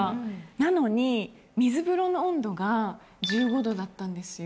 なのに水風呂の温度が１５℃だったんですよ。